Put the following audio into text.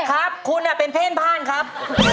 ครับคุณเป็นเพื่อนบ้านครับ